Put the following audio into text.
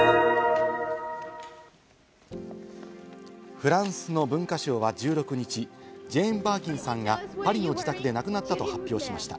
フランスの文化省は１６日、ジェーン・バーキンさんがパリの自宅で亡くなったと発表しました。